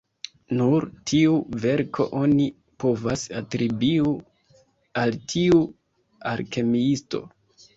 Nur tiu verko oni povas atribiu al tiu alkemiisto.